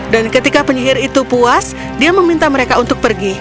dan ketika penyihir itu puas dia meminta mereka untuk pergi